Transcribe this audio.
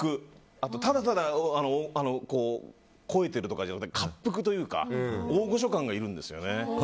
あと、ただただ肥えてるとかではなくて恰幅というか大御所感がいるんですよね。